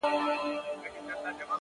هره هڅه د ځان جوړونې برخه ده.!